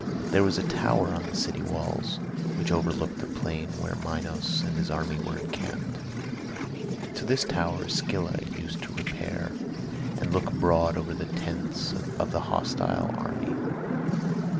There was a tower on the city walls, which overlooked the plain where Minos and his army were encamped. To this tower Scylla used to repair, and look abroad over the tents of the hostile army.